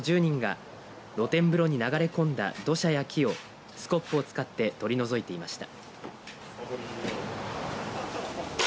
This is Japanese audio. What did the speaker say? およそ１０人が露天風呂に流れ込んだ土砂や木をスコップを使って取り除いていました。